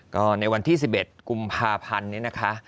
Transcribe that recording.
ก็ในวันที่๑๑กุมภาพันธ์นี้นะคะ